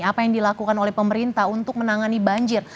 apa yang dilakukan oleh pemerintah untuk menangani banjir